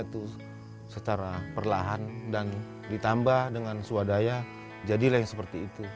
itu secara perlahan dan ditambah dengan swadaya jadilah yang seperti itu